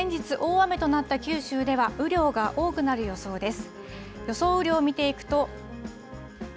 特に先日大雨となった九州では雨量が多くなる予想です。